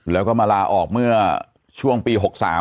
แล้วก็มาลาออกเมื่อช่วงปี๖๓